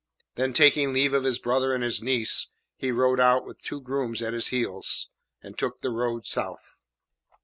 Then, taking leave of his brother and his niece, he rode out with two grooms at his heels, and took the road South.